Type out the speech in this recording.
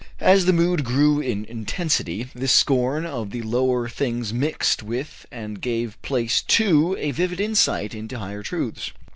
As the mood grew in intensity, this scorn of the lower things mixed with and gave place to a vivid insight into higher truths.